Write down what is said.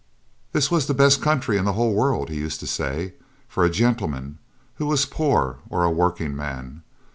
'This was the best country in the whole world,' he used to say, 'for a gentleman who was poor or a working man.'